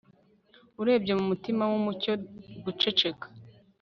Urebye mu mutima wumucyo guceceka